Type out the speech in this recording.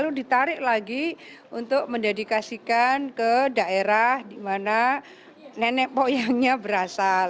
lalu ditarik lagi untuk mendedikasikan ke daerah dimana nenek poyangnya berasal